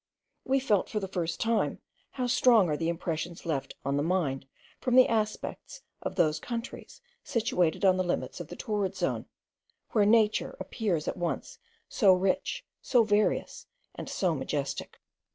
We felt, for the first time, how strong are the impressions left on the mind from the aspect of those countries situated on the limits of the torrid zone, where nature appears at once so rich, so various, and so majestic.